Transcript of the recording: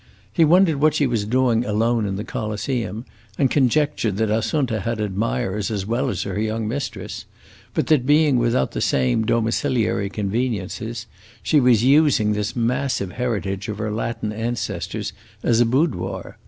He wondered what she was doing alone in the Coliseum, and conjectured that Assunta had admirers as well as her young mistress, but that, being without the same domiciliary conveniencies, she was using this massive heritage of her Latin ancestors as a boudoir.